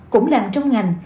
cũng làm trong ngành